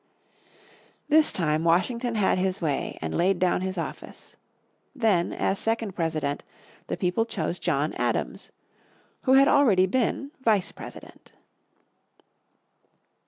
This time Washington had his way and laid down his office. Then, as second President, the people chose John Adams, who had already been Vice President.